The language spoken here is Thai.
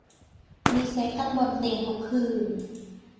มีเซ็กส์กันบนเตียงทุกคืน